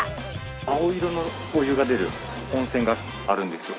青色のお湯が出る温泉があるんですよ。